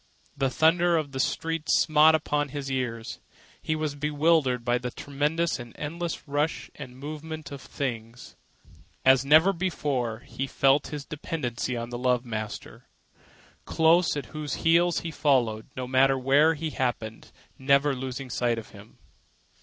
The thunder of the streets smote upon his ears. He was bewildered by the tremendous and endless rush and movement of things. As never before, he felt his dependence on the love master, close at whose heels he followed, no matter what happened never losing sight of him.